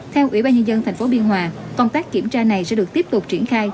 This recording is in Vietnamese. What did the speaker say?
theo ủy ban nhân dân tp biên hòa công tác kiểm tra này sẽ được tiếp tục triển khai